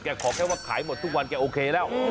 ขอแค่ว่าขายหมดทุกวันแกโอเคแล้ว